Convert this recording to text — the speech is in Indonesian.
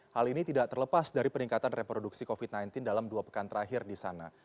hal ini tidak terlepas dari peningkatan reproduksi covid sembilan belas dalam dua pekan terakhir di sana